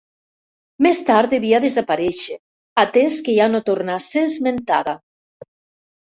Més tard devia desaparèixer, atès que ja no torna a ser esmentada.